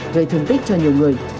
gây thương tích cho nhiều người